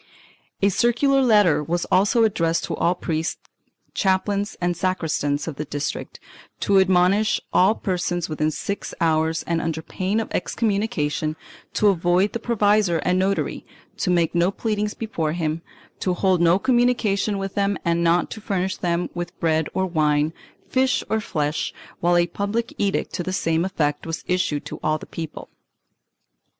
A circular letter was also addressed to all priests, chaplains and sacristans of the district, to admonish all persons, within six hours and under pain of excommunication, to avoid the provisor and notary, to make no pleadings before them, to hold no communication with them and not to furnish them with bread or wine, fish or flesh, while a public edict to the same effect was issued to all the people.